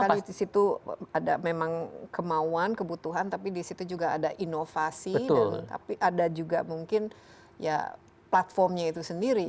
apakah di situ ada memang kemauan kebutuhan tapi di situ juga ada inovasi tapi ada juga mungkin platform nya itu sendiri